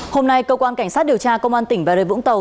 hôm nay cơ quan cảnh sát điều tra công an tỉnh bè rời vũng tàu